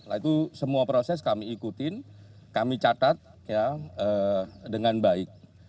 nah itu semua proses kami ikutin kami catat dengan baik